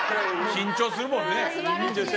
緊張するもんね。